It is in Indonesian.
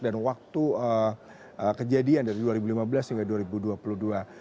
dan waktu kejadian dari dua ribu lima belas hingga dua ribu dua puluh dua